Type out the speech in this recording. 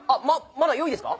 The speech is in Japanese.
まだ用意ですか？